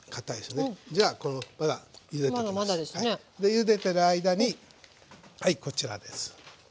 ゆでてる間にはいこちらです。